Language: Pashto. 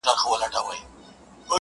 لکه لېوه یې نه ګورې چاته؛